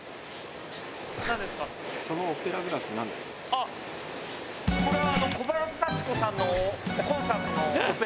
あっこれは。